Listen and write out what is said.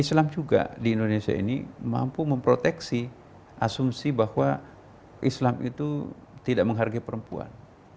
islam juga di indonesia ini mampu memproteksi asumsi bahwa islam itu tidak menghargai perempuan